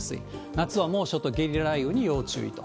夏は猛暑とゲリラ雷雨に要注意と。